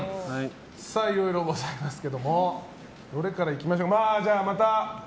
いろいろございますけどもどれからいきましょう。